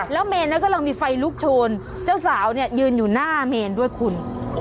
แล้วเมนนั้นกำลังมีไฟลุกโชนเจ้าสาวเนี่ยยืนอยู่หน้าเมนด้วยคุณ